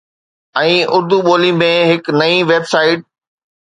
۽ اردو ٻولي ۾ هڪ نئين ويب سائيٽ